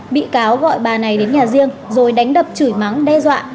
bị cáo gọi bà này đến nhà riêng rồi đánh đập chửi mắng đe dọa